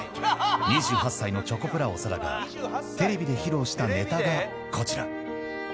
２８歳のチョコプラ・長田が、テレビで披露したネタがこちら。